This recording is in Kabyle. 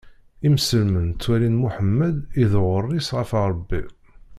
Imselmen ttwalin Muḥemmed i d uɣris ɣef Rebbi.